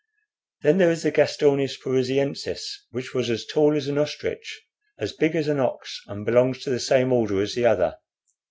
Then there is the Gastornis parisiensis, which was as tall as an ostrich, as big as an ox, and belongs to the same order as the other.